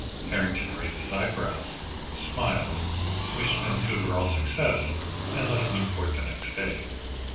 Harrington raised his eyebrows, smiled, wished Vancouver all success, and left Newport the next day.